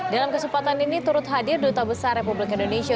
dalam kesempatan ini turut hadir duta besar republik indonesia